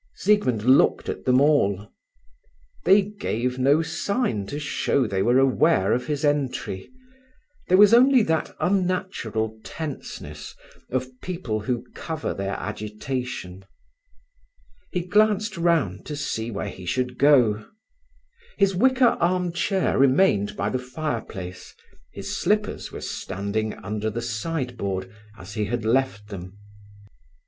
Siegmund looked at them all. They gave no sign to show they were aware of his entry; there was only that unnatural tenseness of people who cover their agitation. He glanced round to see where he should go. His wicker arm chair remained by the fireplace; his slippers were standing under the sideboard, as he had left them.